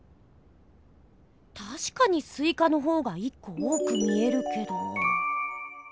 たしかにスイカの方が１こおおく見えるけど。